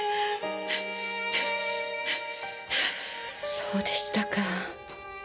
そうでしたか。